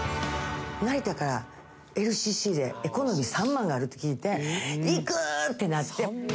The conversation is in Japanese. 成田からＬＣＣでエコノミー３万があるって聞いて「行く！」ってなって。